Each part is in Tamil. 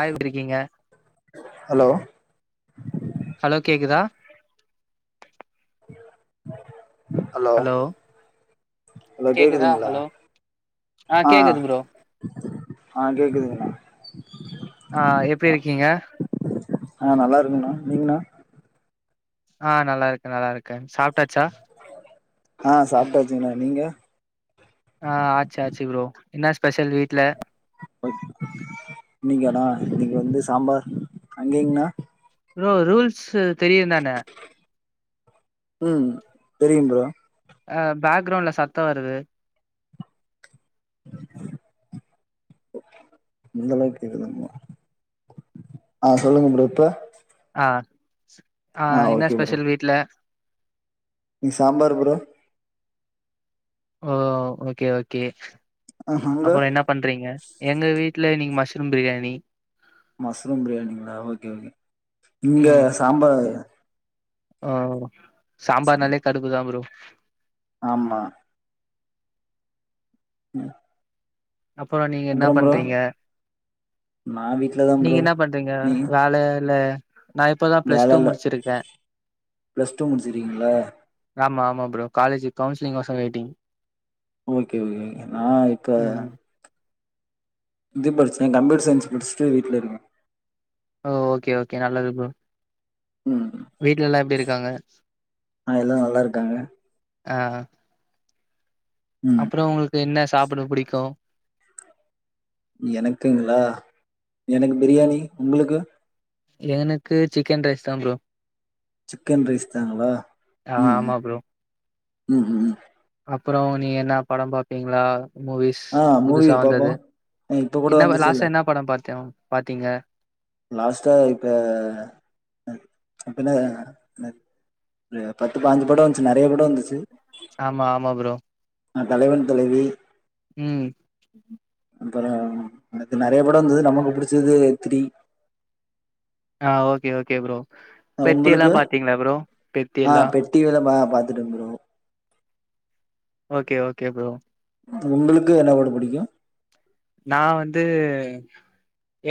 ஆய்ட்டிருக்கீங்க ஹலோ ஹலோ கேக்குதா ஹலோ கேக்குதா கேக்குதுங்ளா ஹலோ ஆ கேக்குது ப்ரோ ஆ கேக்குதுங்க ஆ எப்பிடி இருக்கீங்க ஆ நல்லாருக்கண்ணா நீங்ண்ணா ஆ நல்லாருக்கே நல்லாருக்கே சாப்டாச்சா ஆ சாப்டாச்சுனா நீங்க ஆ ஆச்சு ஆச்சு ப்ரோ என்ன ஸ்பெஷல் வீட்ல இங்க வந்து சாம்பார் அங்கேங்ண்ணா ப்ரோ ரூல்ஸு தெரியு தான ம் தெரியு ப்ரோ அ பேக்ரவுண்ட்ல சத்தோ வருது இந்த அளவுக்கு கேக்குதுங்ளா ஆ சொல்லுங்க ப்ரோ இப்ப அ ஆ என்ன ஸ்பெஷல் வீட்ல இங் சாம்பார் ப்ரோ ஓ ஓகே ஓகே ஆ அங்க அப்றோ என்ன பண்றீங்க எங்க வீட் ட்ல இன்னைக்கி மஷ்ரூம் பிரியாணி மஸ்ரூம் பிரியாணிங்ள ஓகே ஓகே இங்க சாம்பார் அ சாம்பார்னாலே கடுபுதா ப்ரோ ஆமா ம் அப்பறோ நீங்க என்ன அப்புறம் ப்ரோ பண்றீங்க நான் வீட்ல தான் நீங்க ப்ரோ என்ன பண்றீங்க நீங்க வேல இல்ல நா இப்பதா பிளஸ் டூ வேல இல்ல முடிச்சிருக்கே பிளஸ் டூ முடிச்சிருக்கீங்களா ஆமா ஆமா ப்ரோ காலேஜ் கவுன்சிலி்ங்கோசோ வேயிட்டிங் ஓகே ஓகே நா இப்ப ம் இது படிச்ச கம்ப்யூட்டர் சயின்ஸ் முச்சுட்டு வீட்ல இருக்கே ஓ ஓகே ஓகே நல்லது ப்ரோ ம் வீட்லலா எப்பிடி இருக்காங்க ஆ எல்லா நல்லா இருக்காங்க அ ம் அப்புறோ உங்களுக்கு என்ன சாப்பிட புடிக்கு எனக்குங்களா எனக்கு பிரியாணி உங்களுக்கு எனக்கு சிக்கன் ரைஸ் தா ப்ரோ சிக்கன் ரைஸ் தாங்ளா ஆ ம் ஆமா ம் ம் அப்புறோ நீங்க எதனா படோ பாப்பீங்ளா மூவிஸ் ஆ மூவி புதுசா பாப்போ வந்தது ஆ இப்ப கூட என்ன வந்துச்சுல்ல லாஸ்டா என்ன படோ பாத்தே பாத்தீங்க லாஸ்டா இப்ப அப்பின்ன அ பத்து பாஞ்சு படோ வந்துச்சு நறைய படோ வந்துச்சு ஆமா ஆமா ப்ரோ ஆ தலைவன் தலைவி ம் அப்புறோ அதுல நறைய படோ வந்தது நமக்கு புடிச்சது த்ரீ ஆ ஓகே ஓகே ப்ரோ பெத்தி எல்லா உங்களுக்கு பாத்தீங்களா ப்ரோ பெத்தி ஆ எல்லா பெட்டி [unintelligible] பாத்துட்டே ப்ரோ ஓகே ஓகே ப்ரோ உங்களுக்கு என்ன படோ புடிக்கு நா வந்து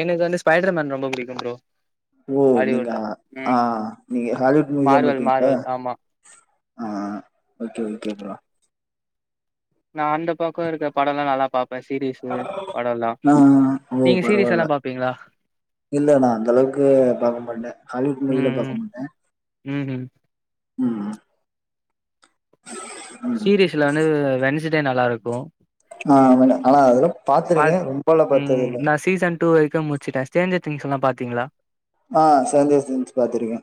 எனக்கு வந்து ஸ்பைடர்மேன் ரொம்ப புடிக்கு ப்ரோ ஓ நீங்க ஹாலிவுட்ல ஆ ம் நீங்க ஹாலிவுட் மூவிதா மார்வல் பாக்கீங்ளா மார்வல் ஆமா ஆ ஓகே ஓகே ப்ரோ நா அந்த பக்கம் இருக்க படம் எல்லா நல்லா பா ப்ப சீரீஸ் படம்ல்லா ஆ ஓ நீங்க சீரீஸ் பரவால்ல எல்லா பாப்பீங்களா இல்ல நா அந்த அளவுக்கு பாக்க மாட்ட ஹாலிவுட் மூவிலா பாக்க ம் மாட்ட ம் ம் உம் சீரிஸ்ல வந்து வென்ஸ்டே நல்லா இருக்கு ஆ ஆனா அதெல்லா பாத்துருக்கே பாத் ரொம்ப எல்லா பாத்தது ம் இல்ல நா சீசன் டூ வரைக்கு முடிச்சுட்டே ஸ்ட்ரேன்ஜர் திங் சொன்னா பாத்தீங்களா ஆ சந்தே திங்ஸ் பாத்திருக்கே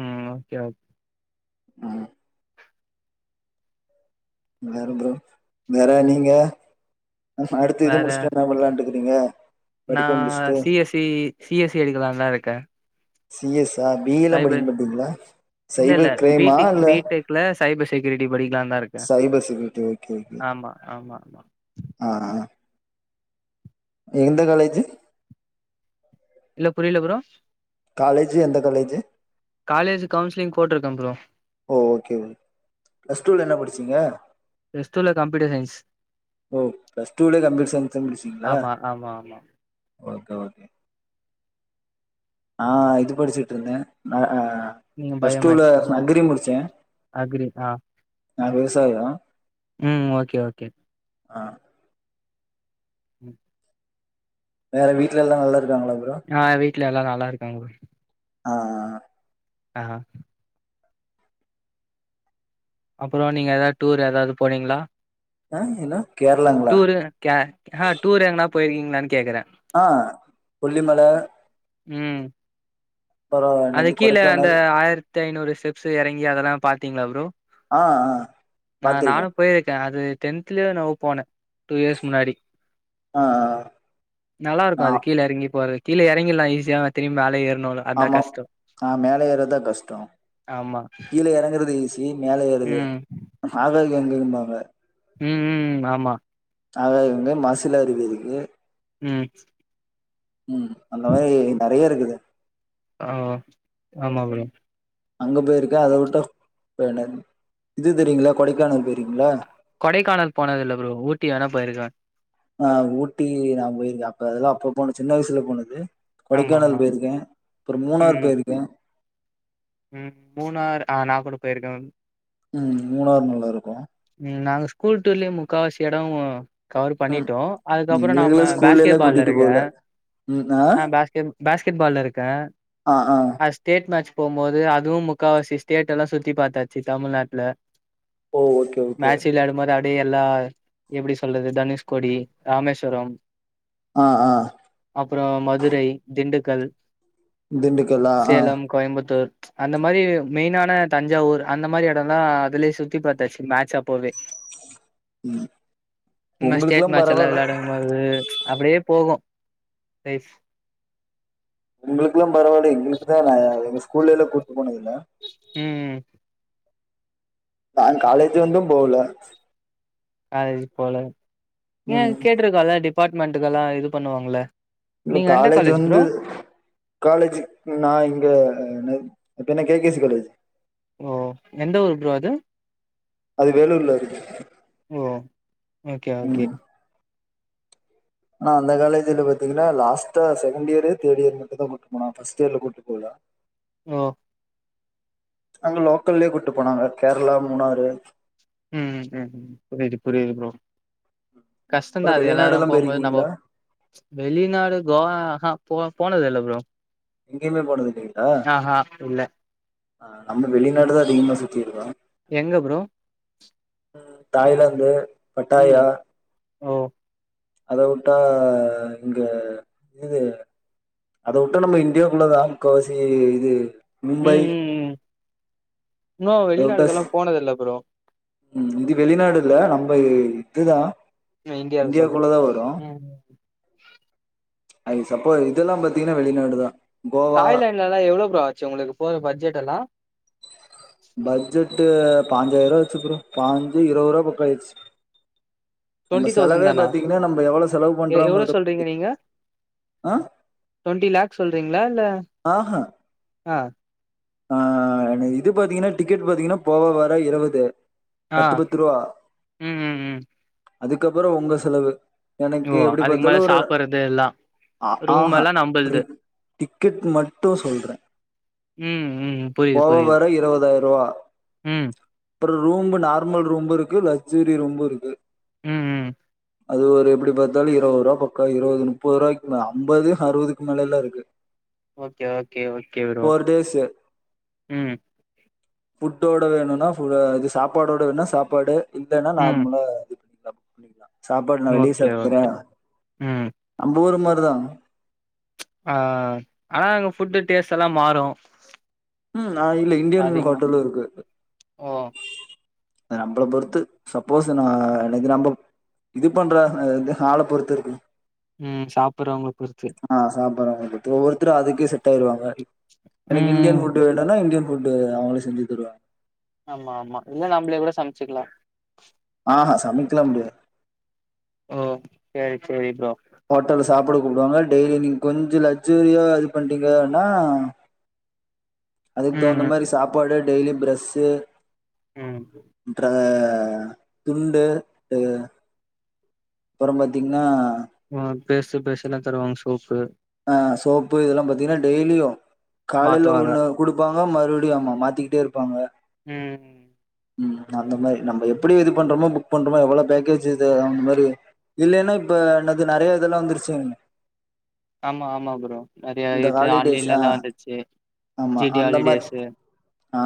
ம் ஓகே ஓகே ஆ வேறப் ப்ரோ வேற நீங்க அடுத்து இது வேற முடிச்சுட்டு என்ன பண்ணலா இருக் ங்க நா C S C C S C எடுக்கலாதா இருக்கே சிஎஸ் சா பிஇ எல்லா படிக்க சைபர் மாட்டீங்களா இல்ல இல்ல சைபர் கிரைமா பிடிக் இல்ல பி டெக்ல சைபர் செக்யூரிட்டி படிக்கலா தா இருக்க சைபர் செக்யூரிட்டி ஓகே ஓகே ஆ ஆமா ஆமா ஆமா ஆ அ எந்த காலேஜ் இல்ல புரியல ப்ரோ காலேஜ் எந்த காலேஜு காலேஜ் கவுன்சிலிங் போட்டிருக்கே ப்ரோ ஓ ஓகே பிளஸ் டூல என்ன படிச்சீங்க பிளஸ் டூல கம்ப்யூட்டர் சயின்ஸ் ஓ பிளஸ் டூல கம்பயூட்டர் சயின்ஸ்ச முடிச்சீங்களங்களா ஆமா ஆமா ஆமா ஓகே ஓகே ஆ இது படிச்சுட்டு இருந்த நா ஆ நீங்க பிளஸ் பயோ டூல மேக்ஸ் தான். அக்ரி முடிச்ச அக்ரி நா விவசாயம் உம் ஓகே ஓகே ஆ உம் வேற வீட்ல எல்லா நல்லா இருக் ஆ வீட்ல எல்லா நல்லா இருக்காங்க ஆ அ ஆ அப்புறம் நீங்க ஏதாவது டூர் ஏதாவது போனீங்களா ஆ என்ன கேரளாங்களா டூர் க டூர் எங்கனா போயிருக்கீங்களன் ஆ புல்லிமல உம் அது என்னது கீழே அந்த கொடைக்கானல் ஆயிரத்தி ஐநூறு ஸ்டெப்ஸ் இறங்கி அதெல்லா பாத்தீங்களா ப்ரோ ஆ ஆ ஆ நானு பாத்திருக்கேன் போயிருக்கே அது டென்தலயே என்னவோ போனே டூ இயர்ஸ் முன்னாடி ஆ ஆ நல்லா இருக்கு நா அது கீழ இறங்கி போறது கீழ இறங்கிறலா ஈஸிய திரும்பி மேல ஏறணுல அதா ஆமா கஷ் ஆ மேல ஏறதா கஷ்டம் ஆமா கீழ இறங்குறது ஈசி மேல ஏறது ம் ஆக எங்க பாங்க உம் உம் ஆமா ஆக இவங்க மசில அருவி இருக்கு ம் உம் அந்த மாதிரி நிறைய இருக்குது ஆ ஆமா ப்ரோ அங்க போயிருக்க அத விட்ட இது தெரியீங்களா கொடைக்கானல் போயிருக்கேங்களா கொடைக்கானல் போனது இல்ல ப்ரோ ஊட்டி வேணா போயிருக்க ஆ ஊட்டி நா போயிருக்கே அப்ப அதெல்லா அப்ப அப்ப சின்ன வயசுல போனது ஆமா கொடைக்கானல் ஆமா போயிருக்க அப்புறோ மூணாரு ம் போயிருக்க ம் மூணார் அ நாக்கூட போயிருக்கன் ம் மூணார் நவ்லாருக்கு ம் நாங்க ஸ்கூல் டூர்லயே முக்காவாசி எடோ கவர் ம் பண்ணிட்டோ அதுக்கப்புறோ நாம்ம எங்களுக்கெல்லா ஸ்கூல்லல்லா கூட்டிட்டு பேஸ்கெட்பால்லருக்க போல ம் ஆ அ பேஸ்கெட் பேஸ் கெட்பால்லருக்க ஆ ஆ நா ஸ்டேட் மேட்ச் போம்போது அதுவு முக்காவாசி ஸ்டேட்டெல்லா சுத்தி பாத்தாச்சி தமிழ்நாட்டுல ஓ ஓகே ஓகே மேட்ச்சி விளையாடும் போது அப்டியே எல்லார் எப்டி சொல்றது தனுஷ்கோடி ராமேஸ்வரம் ஆ ஆ அப்புறோ மதுரை திண்டுக்கல் திண்டுக்கல்லா ஆ சேலம் கோயம்புத்தூர் அந்த மாரி மெயினான தஞ்சாவூர் அந்த மாரி எடொல்லா அதுலயே சுத்தி பாத்தாச்சி மேட்ச் அப் போவே நம்ம ஸ்டேட் உங்களுக்கெல்லா மேட்ச்செல்லா பரவால்ல விளையாடும் போது அப்டியே போகு ப்ளேஸ் உங்களுக்குல்லா பரவால்ல எங்களுக்குதா நா எங்க ஸ்கூல்லல்லா கூட்டு போனதில்ல ம் நா காலேஜ் வந்தும் போல காலேஜ் போல ஏ ம் கேட்டிருக்கால டிபார்ட்மெண்ட்டுக்கெல்லா இது பண்ணுவாங்கள இல்ல காலேஜ் வந்து காலேஜு நா இங்க என்னத் பேர்ன்ன கே கேசி காலேஜி ஒ எந்த ஊரு ப்ரோ அது அது வேலூர்ல இருக்கு ஓ ஓகே ஓகே ம் ஆனா அந்த காலேஜில பாத்தீங்கன்னா லாஸ்டா செகண்ட் இயரு தேர்ட் இயரு மட்டுந் தா கூட்டிட்டு போனாங்க ஃபர்ஸ்ட் இயர்ல கூட்டு போல ஓ அங்க லோக்கல்லயே கூட்டு போனாங்க கேரளா மூணாறு ம் ம் ம் புரிது புரிது ப்ரோ கஷ்டோந்தா அப்புறோ அது எல்லாரு வெளிநாடுல்லா போம்போது நம்ப போயிருக்கீங்களா வெளிநாடு கோவா அ ஹ போ போனதுல்ல ப்ரோ எங்கேயுமே போனதால்லிங்ளா ஆஹா இல்ல அ நம்போ வெளிநாடுதா அதிகமா சுத்திருக்கோ எங்க ப்ரோ ம் தாய்லாந்து ம் பட்டாயா ஓ அத வுட்டா இங்க இது அத வுட்ட நம்ப இந்தியாவுக்குள்ளதா முக்காவாசி இது மும்பை ம் ம் ம் இன்னு அத வுட்ட ஸ் வெளிநாடுக்கெல்லா போனது இல்ல ப்ரோ ம் இது வெளிநாடுல்ல நம்ப இதுதா இந்தியால சொல்ற இந்தியாக்குள்ளதா வரு ம் ஐ சப்போ இதெல்லா பாத்தீங்கன்னா வெளிநாடுதா கோவா தாய்லான்டுலல்லா எவ்ளோ ப்ரோ ஆச்சி உங்களுக்கு போற பட்ஜெட்டெல்லா பட்ஜெட் பாஞ்சாயிரோ ஆச்சி ப்ரோ பாஞ்சி இருவது ரூபா பக்கோ ஆயிடுச்சி நம்ப டுவெண்ட்டி தௌசண்ட் செலவே தானா பாத்தீங்கன்னா நம்ப எவ்ளோ செலவு பண்றோங்கறதப் டொண்ட்டி லேக்ஸ் சொல்றீங்ளா இல்ல அ ஹ ஆ அ இது பாத்தீங்கன்னா டிக்கெட் பாத்தீங்கன்னா போவ வர இருவது அ பத்து பத்து ரூவா ம் ம் ம் அதுக்கப்புறோ உங்க செலவு எனக்கு ஓ எப்டி அதுக்கு பாத்தாலு மேல ஒரு சாப்பறது எல்லா அ ஆ ரூம் ஹா எல்லா ஒரு‌ நம்பள்து டிக் கு மட்டு சொல்ற ம் ம் புரியுது போவ புரியுது வர இருவதாயிருவா ம் அப்புறம் ரூம்பு நார்மல் ரூம்பு இருக்கு லக்சூரி ரூம்பு இருக்கு ம் ம் அது ஒரு எப்டி பார்த்தாலு இருவது ரூபா பக்க இருவது முப்பது ரூபாய்கு மே அம்பது அறுபதுக்கு மேல எல்லா இருக்கு okay okay okay bro four days ம் புஃபுட்டோட வேணுனா இது சாப்பாடோட வேணுனா சாப்பாடு இல்லன்னா ம் நார்மலா இது பண்ண சாப்பாடு நா வெளியே ஓகே சாப்டுகிறே ஓகே ம் நம்ம ஊர் மா அதான் ஆ ஆனா அங்க ஃபுட்டு டேஸ்ட் எல்லா மாறு ம் ஆங்ல்ல இந்தியன் அதிகமா ஹோட்டலு இருக்கு ஓ அது நம்மல பொறுத்து சப்போஸ் நா எனக்கு நம்ம இது பண்ற ஆள பொறுத்து இருக்கு ம் சாப்ட்றவங் ஆ சாப்ட்டறவங்கல பொருத்து ஒவ்வொருத்தரும் அதுக்கே செட் ஆயிருவாங்க எனக்கு இந்தியன் ம் ஃபுட் வேணனா இந்தியன் ஃபுட்டு் அவங்கள செஞ்சு தருவாங்க ஆமா ஆமா இல்ல நம்மளே கூட சமைச்சுக்கலா ஆஹ்ஹ சமைக்கல முடியா ஓ சேரி சேரி ப்ரோ ஹோட்டல் சாப்டு ப்டுவாங்க டெய்லி நீங்க கொஞ்சம் லக்சுரியா இது பண்டீங்கன்னா அதுக்கு தகுந்த ம் மாதிரி சாப்பாடு டெய்லி பிரஷ்ஷு ம் ஆ துண்டு அப்புறம் பாத்தீங்கன்னா ஆ பேஸ்ட் ஃப்ரஸ்ஸு எல்லா தருவாங்க ஷோக்கு ஆ சோப்பு இதெல்லா பாத்தீங்கன்னா டெய்லியும் காலையில் மாத்துவாங்க ஒண்ணு கொடுப்பாங்க ஆ மறுபடியும் ஆமா மாத்திக்கிட்டே இருப்பாங்க ம் ம் ம் அந்த மாரி நம்ம எப்படி இது பண்றோமோ புக் பண்றோமோ எவ்வளோ பேக்கேஜ் இ அந்த மாரி இல்லைன்னா இப்ப என்னது நறைய இதெல்லா வந்துருச்சுங் ஆமா ஆமா ப்ரோ நறைய இது ஹாலிடேஸ் ஆன்லைன்ல ஆ எல்லா வந்துச்சு ஆமா ஜி டி அந்த மாரி ஹாலிடேஸு ஆ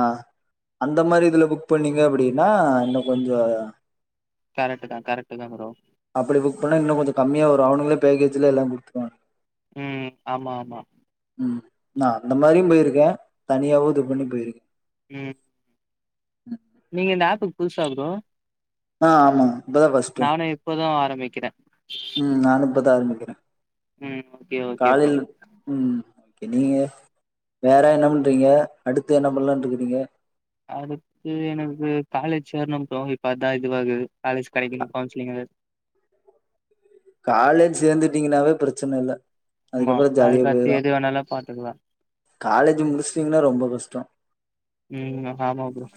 அந்த மாரி இதுல புக் பண்ணீங்க அப்படின்னா இன்னு கொஞ்ச கரக்ட் தான் கரக்ட் தான் ப்ரோ அப்படி புக் பண்ணா இன்னு கொஞ்ச கம்மியா வரு அவனுங்களே பேக்கேஜ்ல எல்லா குடுத்துருவானுங் ம் ஆமா ஆமா ம் நா அந்த மாரியும் போயிருக்கே தனியாவு இது பண்ணி போயிருக்கே ம் ம் நீங்க இந்த ஆப்புக்கு புதுசா ப்ரோ ஆ ஆமா இப்பதா ஃபஸ்ட்டு நானு இப்பதா ஆரம்பிக்கிறே ம் நானு இப்பதா ஆரம்பிக்கிறே ம் ஓகே ஓகே ப்ரோ காலையில் ம் நீங்க வேற என்ன பண்றீங்க அடுத்து என்ன பண்லானு இருக்கிறீங்க அடுத்து எனக்கு காலேஜ் சேரணும் ப்ரோ இப்ப அதான் இதுவாகுது காலேஜ் கடைக்கணு கவுன்சிலிங் [unintelligible] காலேஜ் சேர்ந்துட்டீங்கன்னாவே பிரச்சனை இல்ல ஆமா அதுக்கப்புறோ ஜாலியா அதுக்கத்தி போயிரு எது வேணாலும் பாத்துக்கலா காலேஜ் முடிச்சுீங்கன்னா ரொம்ப கஷ்டம் ம் ஆமா ப்ரோ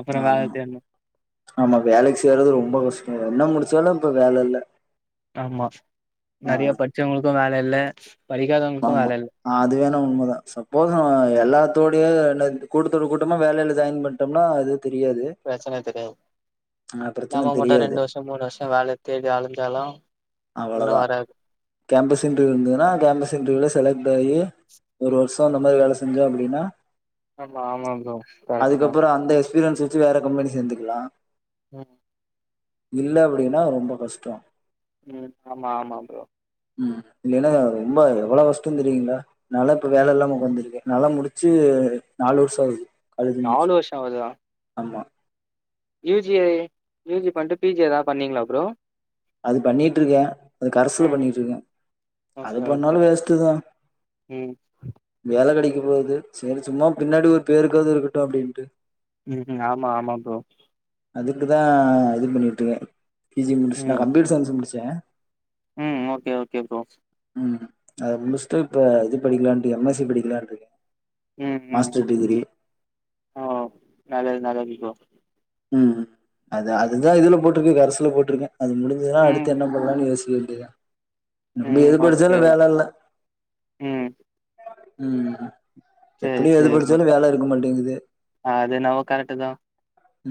அப்புற வேல ஆமா தேடனு ஆமா வேலைக்கு சேறது ரொம்ப கஷ்டோ என்ன முடிச்சாலு இப்ப வேல இல்ல ஆமா ஆமா நறைய படிச்சவங்களுக்கு வேல இல்ல படிக்காதவங்களுக்கு ஆமா வேல இல்ல அதுவேண உண்மதா சப்போஸ் எல்லாத்தோ [unintelligible] என்னது கூட்டத்தோட கூட்டமா வேலயில ஜாயின் பண்ணிட்டோம்னா அது தெரியாது ப்ரச்சன தெரியாது ஆ பிரச்சன நாம மட்டு தெரியாது ரெண்டு வர்ஷோ மூணு வர்ஷோ வேல தேடி அலஞ்சாலு ஒண்ணு அவ்ளோதா வராது கேம்பஸ் இன்டர்வியூ இருந்ததுன்னா கேம்பஸ் இன்டர்வியூல செலெக் டாயி ஒரு வர்சோ அந்த மாரி வேல செஞ்சோ அப்டினா ஆமா ஆமா ப்ரோ கரெக்ட்டு தா ஃப்ரீலான்ஸ் வெச்சு வேற கம்பனி சேந்துக்லா ம் இல்ல அப்டினா ரொம்ப கஷ்டோ ம் ஆமா ஆமா ப்ரோ இல்லனா ரொம்ப எவ்ளோ கஷ்டோ தெரியுங்ளா நாலா இப்ப வேல ம் இல்லாம உக்காந்ருக்கே நாலா முடிச் ச்சு நாலு வர்ஷோ ஆகுது காலேஜு நாலு முடுச்சு வருஷோ ஆவுதா ஆமா யூ ஜி யூ ஜி பண்ட்டு பி ஜி எதாது பண்ணீங்ளா ப்ரோ அது பண்ணிட்ருக்கே அது கரெஸ்ல ம் பண்ணிட்ருக்கே அது ஓகே ஓகே பண்ணாலு வேஸ்ட்டு தா ம் வேல கெடைக்கு போது செரி சும்மா பின்னாடி ஒரு பேருக்காவ்து இருக்கட்டு அப்டின்ட்டு ம்ஹ்ம் ஆமா ஆமா ப்ரோ அதுக்கு தா இது பண்ணிட்ருக்கே பி ஜி முடுச்னா நா ம் கம்ப்யூட்டர் சயின்ஸ் முடுச்சே ம் ஓகே ஓகே ப்ரோ அத முடுச்ட்டு இப்ப இது படிக்கலான்ட்டு எம் எஸ் சி படிக்லான்ட்ருக்கே ம் ம் மாஸ்டர் டிகிரி ஓ நல்லது நல்லது ப்ரோ ம் அது அதுதா இதுல போட்ருக்கு கரசுல போட்ருக்கே அது முடுச்சுதனா ம் அடுத்து என்ன பண்ணலானு யோசிக்க துதா நம்ப ம் எது படுச்சாலு ஓகே வேல இல்ல ம் ம் ம் எத்தனையோ எது படுச்சாலு வேல இருக்க மாட்டேங்குது அ அது என்னவோ கரெக்ட்டு தா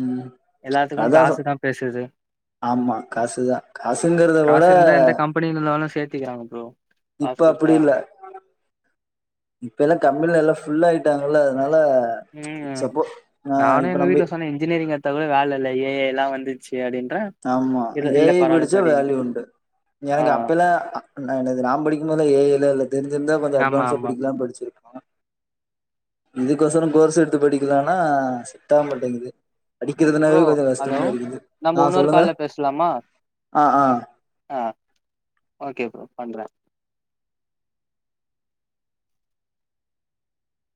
ம் எல்லாத்துக்கு அதா சொ காசுதா பேசுது ஆமா காசுதா காசுங்கறத விட நானு சேத்திக்கிறாங்க ப்ரோ காசு இப்ப அப்டி குடுத்தா இல்ல இப்ப எல்லா கம்பெனி எல்லா ஃபுல்லா ஆயிட்டாங்கல்ல அதனால ம் சப்போ ஆ நானு இப்ப எங்க நம்ப வீட்ல சொன்னே இன்ஜினியரிங்க தவுர வேல இல்ல ஏ ஐ லா வந்து ஆமா ஏ ஐ படிச்சா படின்னு வேல்யூ உண்டு ஆ எனக்கு அப்பல்லா அப் எனக்கு நா படிக்கும்போதுலா ஏ ஐ லா இல்ல தெரிஞ்சிருந்தா கொஞ்சோ ஆமா அட்வான்ஸா ஆமா படிக்லானு படுச்சிருப் இதுக்கோசோ கோர்ஸ் எடுத்து படிக்லானா செட் ஆகா மாட்டேங்குது படிக்கிறதுனாவே ப்ரோ கொஞ்சோ ஹலோ கஷ்டமா இருக்குது ஆ நம்ம உன்னொரு சொல்லுங்க கால்ல பேசலாமா ஆ ஆ ஆ ஓகே ப்ரோ பண்றே